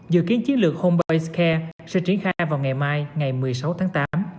dự kiến chiến lược home base care sẽ triển khai vào ngày mai ngày một mươi sáu tháng tám